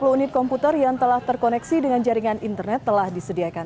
satu ratus dua puluh unit komputer yang telah terkoneksi dengan jaringan internet telah disediakan